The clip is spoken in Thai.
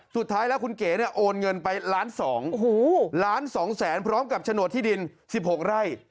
สุดท้ายแล้วคุณเก๋โอนเงินไปล้านสองล้านสองแสนพร้อมกับโฉนดที่ดินสิบหกไร่